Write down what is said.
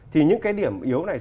thì những cái điểm yếu này